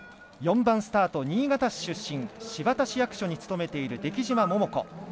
４番スタート、新潟市出身の新発田市役所に勤めている出来島桃子。